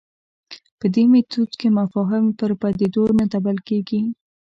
په دې میتود کې مفاهیم پر پدیدو نه تپل کېږي.